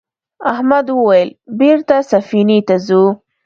احمد وویل بېرته سفینې ته ځو.